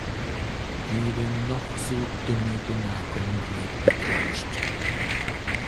Jede noch so dumme Bemerkung wird beklatscht.